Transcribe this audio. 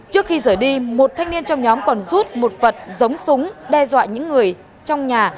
trước khi rời đi một thanh niên trong nhóm còn rút một vật giống súng đe dọa những người trong nhà